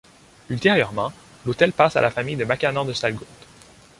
Ultérieurement, l'hôtel passe à la famille de Makanan de Sallegourde.